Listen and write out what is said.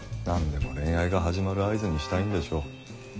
何でも恋愛が始まる合図にしたいんでしょう。